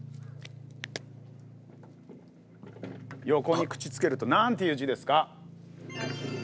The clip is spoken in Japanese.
横に「口」付けると何ていう字ですか？